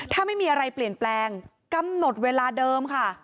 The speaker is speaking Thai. ถ้าไม่มีอะไรเปลี่ยนแปลงกำหนดเวลาเดิมค่ะ